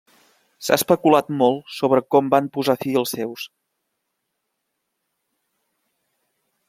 S'ha especulat molt sobre com van posar fi als seus.